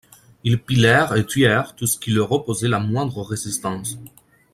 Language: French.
Ils pillèrent et tuèrent tout ce qui leur opposait la moindre résistance.